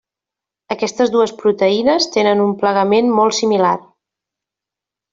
Aquestes dues proteïnes tenen un plegament molt similar.